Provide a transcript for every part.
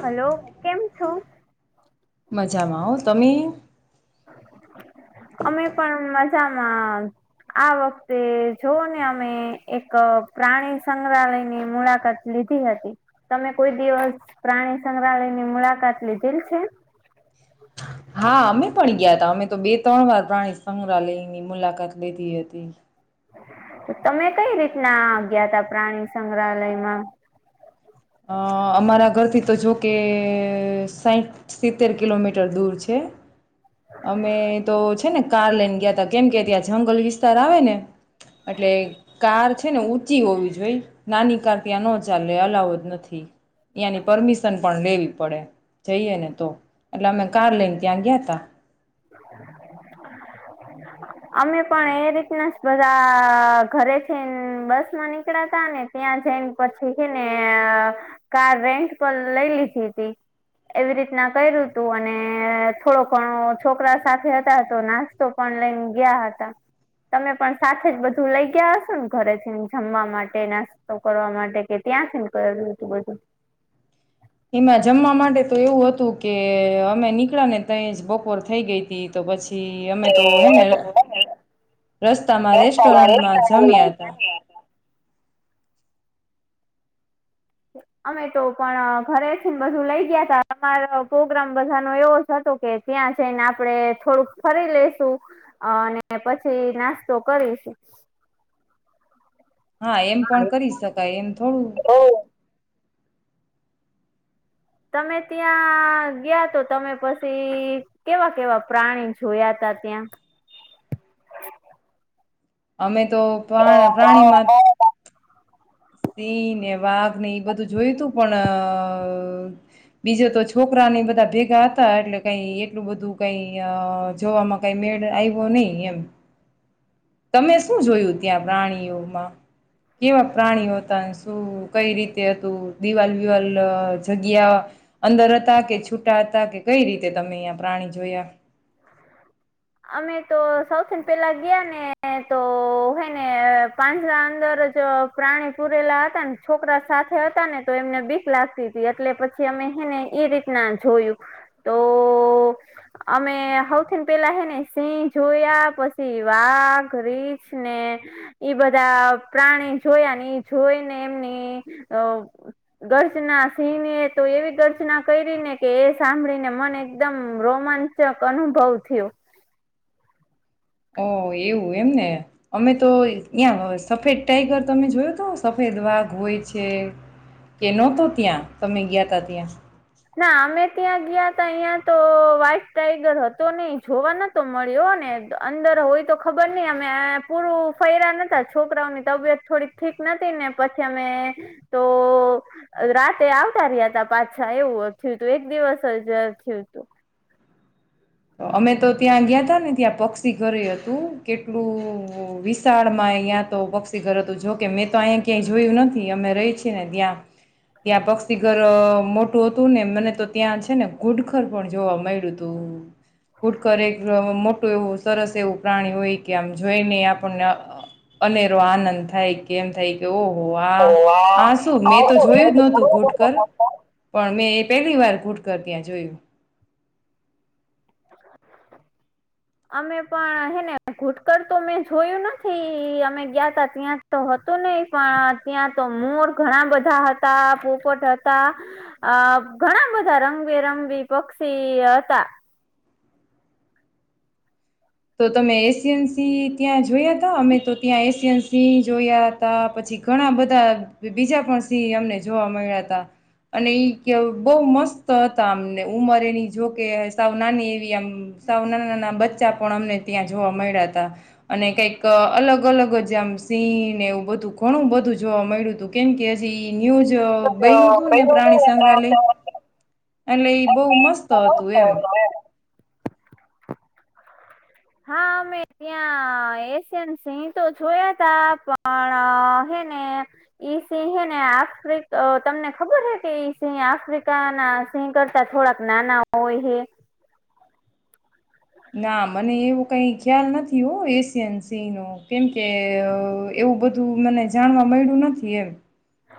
Hello કેમ છો મજામાં હો તમે? [inaudible] અમે પણ મઝ મજામાં આ વખતે જોવો ને અમે એક પ્રાણી સંગ્રહાલયની મુલાકાત લીધી હતી તમે કોઈ દિવસ પ્રાણી સંગ્રહાલયની મુલાકાત લીધેલ છે? હા અમે પણ ગ્યા હતા અમે તો બે ત્રણ વાર પ્રાણી સંગ્રહાલયની મુલાકાત લીધી હતી. તો તમે કઈ રીતના ગ્યા તા પ્રાણી સંગ્રહાલયમાં? અ અમારા ઘરથી તો જોકે સાઠ સિત્તેર કિલોમીટર દૂર છે. અમે તો છે ને કાર લઈને ગ્યા તા કેમ કે ત્યાં છે જંગલ વિસ્તાર આવે ને એટલે કાર છ છે ને ઊંચી હોવી જોઈએ નાની કાર ત્યાં નો ચાલે અલાઉ જ નથી. નથી નથી અયાની પરમિશન પણ લેવી પડે જઈએ ને તો એટલે અમે કાર લઈને ત્યાં ગયા તા અમે પણ એ રીતના બધા ઘરે જઈને બસ માં નીકળ્યા ત ને ત્યાં જઈને પછી છેને કાર રેન્ટ પર લઈ લીધી હતી એવી રીતના કર્યું તું અને થોડો ઘણો છોકરા સાથે હતા તો નાસ્તો પણ લઈને ગયા હતા તમે પણ સાથે જ બધું લઈ ગયાશો ને ઘરે થી જમવા માટે નાસ્તો કરવા માટે કે ત્યાંથી કરેલું હતું બધું એમાં જમવા માટે તો એવું હતું કે અમે નીકળા ને ત જ બપોર થઈ ગઈ હતી તો પછી પછી અમે તો હે ને રસ્તામાં રેસ્ટોરન્ટમાં જમ્યા હતા અમે તો પણ ઘરેથી બધું લઇ ગયા ત અમારો પ્રોગ્રામ બધાનો એવો જ હતો કે ત્યાં જઈને આપડ થોડુંક ફરી લસુ અને પછી નાસ્તો કરીશું હા એમ પણ કરી શકાય એમ થોડું ઓ તમે ત્યાં ગયા તો તમે પછી કેવા કેવા પ્રાણી જોયા તા ત્યાં અમે તો [inaudible] પાણીમાં સિંહ ને વાઘ ને એ બધું જોયું તું પણ બીજા તો છોકરાને બધા ભેગા હતા એટલે કઈ એટલું બધું કઈ જોવામાં કઈ મેળ આવ્યો નહી એમ, તમે શું જોયું ત્યાં પ્રાણીઓમાં કેવા પ્રાણીઓ શું કઈ રીતે હતું દિવાલ વિવાલ જગ્યા અંદર હતા કે છૂટા હતા કે કઈ રીતે તમે અયા પ્રાણી જોયા? અમે તો સૌથીન પેલા ગયા ને તો હેને પાંજરા અંદર જ પ્રાણી પુરેલા હતા ને છોકરા સાથે હતા ને તો એમને બીક લાગતી હતી એટલે પછી અમે હેને એઈ રીતના જોયું તો, અમે સૌથીન પેલા હેને સિંહ જોયા પછી વાઘ રીછ ને બધા પ્રાણી જોયા ને એ જોઈને એમની ગર્જના સિંહને તો એવી ગર્જના કરી ને કે એ સાંભળીને મને એકદમ રોમાંચક અનુભવ થયો. ઓ એવું એમને અમે તો અ્યાં સફેદ ટાઈગર તમે જોયો તો સફેદ વાઘ હોય છે કે નહતો, ત્યાં તમે ગયા ત ત્યાં. ના અમે ત્યાં ગયા ત અહં તો વ્હાઈટ ટાઈગર હતો નહ જોવા નતો મળ્યો ને અંદર હોય તો ખબર નઈ અમે પૂરું ફર્યા નતા છોકરાઓની તબિયત થોડી ઠીક નથી ને પછી અમે, તો, રાતે આવતા રહ્યા ત પાછા. એવું થયું તું એક દિવસ જ થયું તું. અમે તો ત્યાં ગયા હતાા ને ત્યાં પક્ષી ઘરે હતું કેટલું વિશાળમાં અ્યાં તો પક્ષી ઘર હતું જોકે મેં તો અહીંયા ક્યાંય જોયું નથી અમે રહી છીએ ને ત્યાં ત્યાં પક્ષીઘર મોટું હતું ને મને તો ત્યાં છે ને ઘુડખર પણ જોવા મળ્યું હતું. કુટકર એક મોટું એવું સરસ એવું પ્રાણી હોય કે આમ જોઈને આપણને અનેરો આનંદ થાય કે એમ થાય કે ઓ આ ઓ હ, શું વાહ મેં તો આવો જોયું જ નહોતું કૂટકર, ને. પણ મેં પેલી વાર ઘૂટકર ત્યાં જોયું. અમે પણ હેને ઘુટકર તો મેં જોયું નથી અમે ગયા ત ત્યાં તો હતું નહ પણ ત્યાં તો મોર ઘણા બધા હતા, પોપટ હતા અ ઘણા બધા રંગબેરંગબી પક્ષી હતા. તો તમે એશિયન સિંહ ત્યાં જોયા ત અમે તો ત્યાં એશિયન સિંહ જોયા હતા પછી ઘણા બધા બીજા પણ સિંહ અમને જોવા મળ્યા હતા અને બહ મસ્ત હતા અમને ઉંમર એની જોકે સાવ નાની એવી આમ સાવ નાના નાના બચ્ચા પણ અમને ત્યાં જોવા મળ્યા ત અને કઈક અલગ અલગ જ આમ સિન એવું બધું ઘણું બધું જોવા મળ્યું હતું, કેમ કે હજી ન્યૂજ બનનું હતું ને પ્રાણી સંગ્રહાલય, એટલે બહુ મસ્ત હતું એમ. હા અમે ત્યાં એશિયન સિંહ તો જોયા તા પણ હેને ઈ સિહેને આફ્રિક તમને ખબર છે કે ઈ સિહ આફ્રિકાના સિંહ કરતા થોડાક નાના હોય હે. ના મને એવું કઈ ખ્યાલ નથી હો એશિયન સિંહ નો કેમકે એવું બધું મને જાણવા મળ્યું નથી એમ.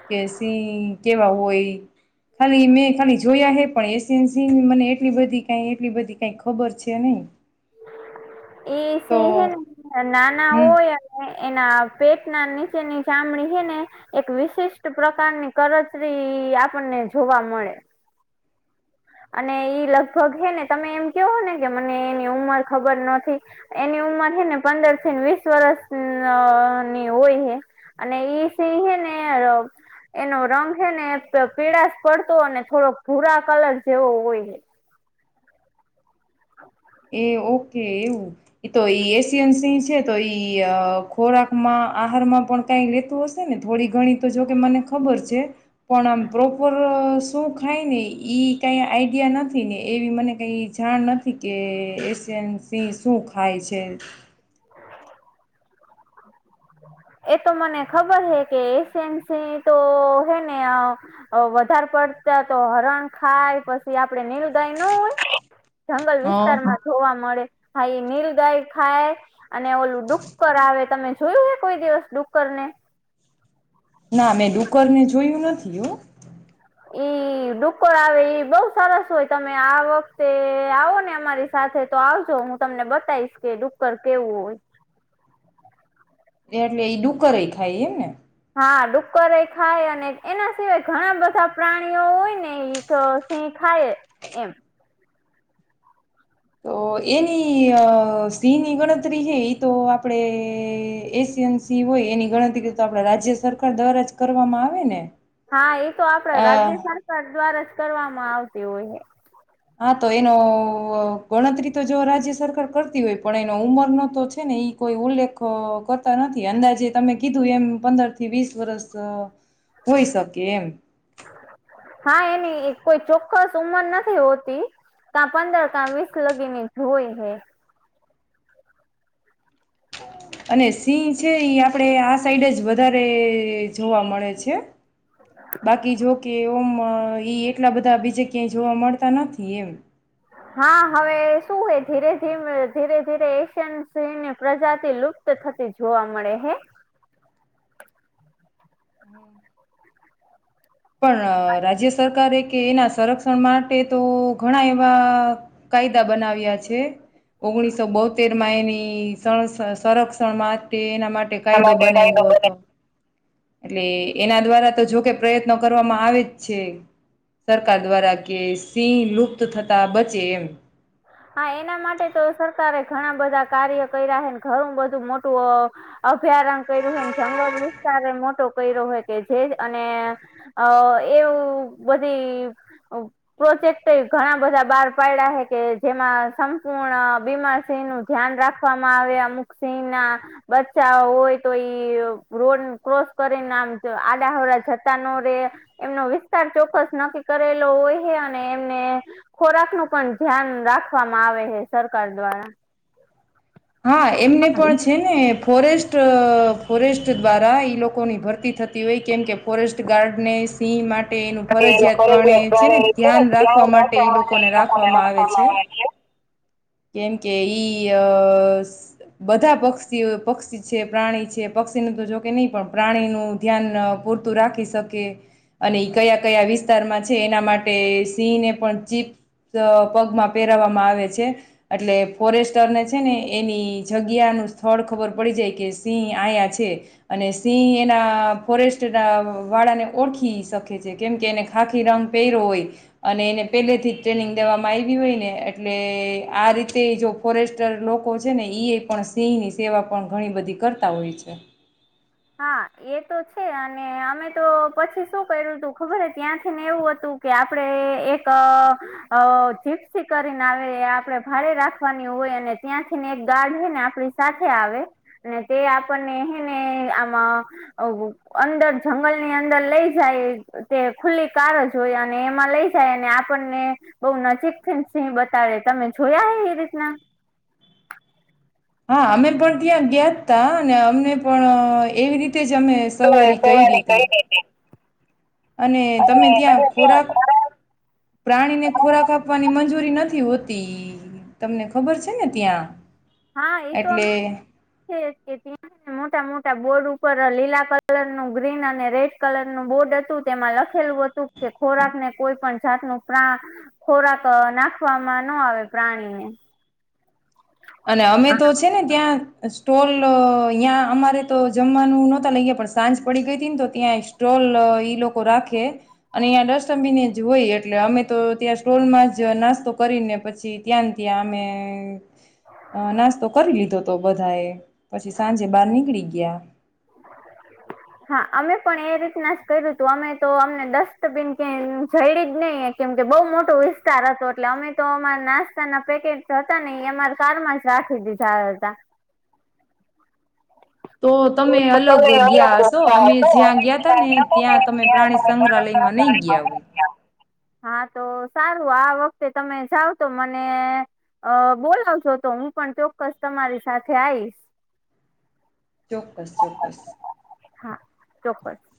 કે સિંહ કેવા હોય. ખાલી મેં ખાલી જોયા હે પણ એશએન્સીની મને એટલી બધી કાંઈ એટલી બધી કાંઈ ખબર છે હતી નહીં. એ સ નાના હમ હોય અને એના પેટના નીચેની ચામડી હે ને એક વિશિષ્ટ ગણતરી પ્રકારની આપણને જોવા મળે. અને ઈ લગભગ હેને તમે એમ કેવો ને કે મને એની ઉંમર ખબર નથી એની ઉંમર હેને પંદર થી વીસ વરષ ની હોય હે અને ઈ સિ હે ને એનો રંગ હે ને, પીળાશ પડતો અને થોડો ભૂરા કલર જેવો હોય હે. એ ઓ કે એવું એતો એશિયન સિંહ છે તો ઈ ખોરાકમાં આહારમાં પણ કઈ લેતું હશે ને થોડી ઘણી તો જોકે મને ખબર છે. પણ આમ પ્રોપર શું ખાય ને ઈ કઈ આઈડિયા નથી ને એવી મને કઈ જાણ નથી કે એશિયન સિંહ શું ખાય છે [inaudible] એતો મને ખબર હે કે એશિયણ સિંહ તો હે ને વધારે પડતા તો હરણ ખાય પછી આપડે નીલગાય ન હોય જંગલ હ વિસ્તારમાં જોવા મળે હાઈ નીલ ગાય ખાય અને ઓલું ડુક્કર આવે તમે જોયું હે કોઈ દિવસ ડુક્કર ને ના મેં ડુકરને જોયું નથી હો ઈ ડુક્કર આવે ઈ બોઉ સરસ હોય તમે આ વખતે આવો ને અમારી સાથે તો આવજો હું તમને બતાવીશ કે ડુક્કર કેવું હોય એ એટલે ઈ ડુકર એ ખાય એમ ને હા ડુક્કર એ ખાય અને એના સિવાય ઘણા બધા પ્રાણીઓ હોય ને એ સિહ ખાય એમ તો એની અ સિંહ ની ગણતરી છે એ તો આપડણે એશિયન સિહ હોય એની ગણતરી તો આપણા રાજ્ય સરકાર દ્વારા જ કરવામાં આવે ને હા એ તો આપડ અ રાજ્ય સરકાર દ્વારા જ કરવામાં આવતી હોય હે હા તો એનો ગણતરી તો જો રાજ્ય સરકાર કરતી હોય પણ એનો ઉંમરનો તો છે ને એ કોઈ ઉલ્લેખ કરતા નથી અંદાજે તમે કીધું એમ પંદર થી વીસ વર્ષ હોય શકે એમ હા એની કોઈ ચોક્કસ ઉંમર નથી હોતી કકા પંદર કાં વીસ લગીને હો ય હે અને સિંહ છે આપણેે આ સાઈડ જ વધારે જોવા મળે છે બાકી જો કે ઓમ ઈ એટલા બધા બીજે ક્યાંય જોવા મળતા નથી એમ હા હવે શું હે ધીરે ધી ધીરે ધીરે એશિયન સીહની પ્રજાતિ લુપ્ત થતી જોવા મળે હે પણ રાજ્ય સરકારે કે એના સંરક્ષણ માટે તો ઘણા એવા કાયદા બનાવ્યા છે ઓગણીસો બોતેર માં એની સણ સંરક્ષણ માટે ના માટે એના કાયદો માટે કાયદો બનાવવ્યો હતો એટલે એના દ્વારા તો જોકે પ્રયત્નો કરવામાં આવે જ છે સરકાર દ્વારા કે સિંહ લુપ્ત થતા બચે એમ હા એના માટે તો સરકારે ઘણા બધા કાર્ય કર્યા હને ઘણું બધું મોટું અભ્યારણ કર્યું હને જંગલ વિસ્તાર એ મોટો કર્યો હોય કે જે અને અ એવું બધી પ્રોજેક્ટએ ઘણા બધા બાર પાડ્યા હે કે જેમાં સંપૂર્ણ બીમાર સિંહ નું ધ્યાન રાખવામાં આવે અમુક સિંહ ના બચ્ચા હોય તો ઈ રોડ ક્રોસ કરીને આમ આડાહરા જતા ન રે એમનો વિસ્તાર ચોક્કસ નક્કી કરેલો હોય હે અને એમને ખોરાક નું પણ ધ્યાન રાખ રાખવામાં આવે છે સરકાર દ્વારા હા એમને પણ છે ને ફોરેસ્ટ ફોરેસ્ટ દ્વારા ઈ લોકોની ભરતી થતી હોય કેમ કે ફોરેસ્ટ ગાર્ડને સિંહ મા માટે એનું ફરજિયાત પ્રણે છે ને ધ્યાન રાખવા માટે ઈ લોકોને રાખવામાં આવે છે કેમ કે ઈ અ બસ બધા પક્ષીઓ પક્ષી છે પ્રાણી છે પક્ષીને તો જોકે નહી પણ પ્રાણી નું ધ્યાન પૂરતું રાખી શકે અને કયા કયા વિસ્તારમાં છે એના માટે સિંહને પણ ચીપ્સ પગમાં પહેરાવવામાં આવે છે એટલે ફોરેસ્ટરને છે ને એની જગ્યાનું સ્થળ ખબર પડી જાય કે સિંહ આયા છે અને સિંહ એના ફોરેસ્ટના વાળાને ઓળખી શકે છે કેમ કે એને ખાખી રંગ પેયરો હોય અને એને પહેલેથી જ ટ્રેનિંગ દેવામાં આવી હોય ને એટલે આ રીતે જો ફોરેસ્ટર લો લોકો છે ઈ પણ સિંહની સેવા પણ ઘણી બધી કરતા હોય છે હા એ તો છે અને અમે તો પછી શું કર્યું તું ખબર ત્યાંથીને એવું હતું કે આપણે એક જીપસિ કરીને આવે આપણે ભાડે રાખવાની હોય અને ત્યાંથીને એક ગાર્ડ છે ને આપડી સાથે આવે અને તે આપણને હે ને માં અંદર જંગલની અંદર લઈ જાય તે ખુલ્લી કારજ હોય અને એમાં લઈ જાય અને આપણને બો નજીકથી સિંહ બતાળે તમે જોયા હે એ રીતના હા અમે પણ ત્યા ગાયતા ને અમને પણ એવી રીતે તે જ અમે સવારી કયરી સવારે તી ગઈ હતી અને તમે અને ત્યાં ખોરાક પ્રાણીને ખોરાક આપવાની મંજૂ મંજૂરી નથી હોતી તમને ખબર છે ને ત્યાં હા એ તો એટલે અમે છે કે ત્યાં મોટા મોટા બોર્ડ ઉપર લીલા કલર નું ગ્રીન અને રેડ કલર નું બોર્ડ હતું તેમાં લખેલું હતું કે ખોરાકને કોઈ પણ જાતનું ખોરાક નાખવામાં નો આવે પ્રાણીને અને અમે તો છે ને ત્યાં સ્ટોલ અ્યાં અમારે તો જમવાનું નહોતા લાગ ગયા પણ સાંજ પડી ગઈ હતી ને તો ત્યાં સ્ટોલ ઈ લોકો રાખે, અને અ્યાં ડસ્ટબિને જ હોય એટલે અમે તો ત્યાં સ્ટોલમાં જ નાસ્તો કરીને પછી ત્યાં ત્યાં અમે અ નાસ્તો કરી લીધો હતો બધા એ, પછી સાંજે બાર નીકળી ગયા. હા અમે પણ એ રીતના જ કર્યું તું અમે તો અમને ડસ્ટબીન કે જઈડી જ નહી કેમ કે બઉુ મોટો વિસ્તાર હતો એટલે અમે તો અમારા નાસ્તાના પેકેટ હતા ને એ અમારા કારમાં જ રાખી દીધા હતા. તો તમે અલગ તમે અલગ ગયા હશો અમે હતો જ્યાં અને ગયા તા ને જ્યાં ત્યાં તમે પ્રાણી હતા ને સંગ્રહાલયમાં નહી ગયા ત્યાં હોય. તમે હા તો સારું આ વખતે તમે જાવ તો મને, બોલાવજો તો હું પણ ચોક્કસ તમારી સાથે આઈશ. ચોક્કસ ચોક્કસ. હા ચોક્કસ.